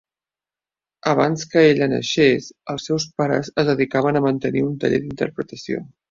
Abans que ella naixés, els seus pares es dedicaven a mantenir un taller d'interpretació.